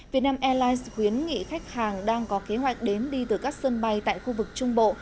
việt nam airlines khuyến nghị khách hàng đang có kế hoạch đến đi từ các sân bay tại khu vực trung bộ